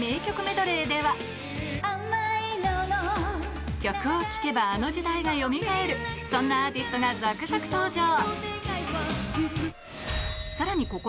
亜麻色の曲を聴けばあの時代がよみがえるそんなアーティストが続々登場